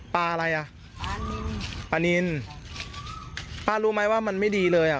ปลาอะไรอ่ะปลานินปลานินป้ารู้ไหมว่ามันไม่ดีเลยอ่ะ